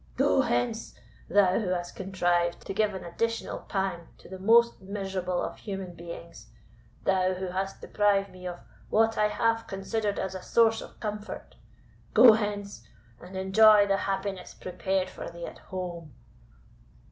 Go hence, thou who hast contrived to give an additional pang to the most miserable of human beings thou who hast deprived me of what I half considered as a source of comfort. Go hence, and enjoy the happiness prepared for thee at home!"